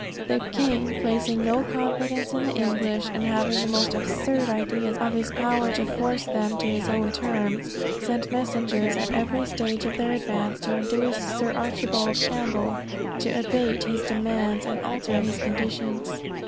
The king placing no confidence in the English, and having the most absurd ideas of his power to force them to his own terms, sent messengers at every stage of their advance to induce Sir Archibald Campbell to abate his demands and alter his conditions.